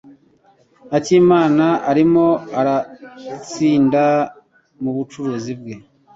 Akimana arimo aratsinda mubucuruzi bwe.